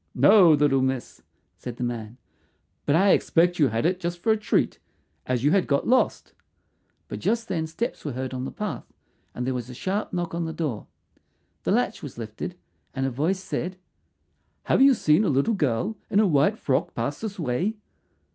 "No, little miss," said the man. "But I expect you had it just for a treat, as you had got lost." But just then steps were heard on the path, and there was a sharp knock at the door. The latch was lifted, and a voice said, "Have you seen a little girl in a white frock pass this way?"